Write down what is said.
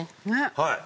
はい。